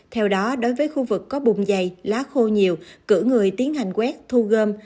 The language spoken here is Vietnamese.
theo đó đối với khu vực có bùm dày lá khô nhiều cử người tiến hành quét thu gom